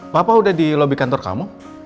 papa udah di lobi kantor kamu